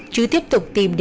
chữ tiếp tục tìm được